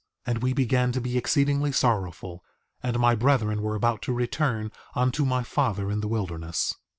And we began to be exceedingly sorrowful, and my brethren were about to return unto my father in the wilderness.